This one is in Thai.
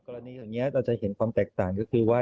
กรณีอย่างนี้เราจะเห็นความแตกต่างก็คือว่า